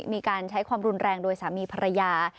มีการใช้ความรุนแรงโดยสามีภรรยา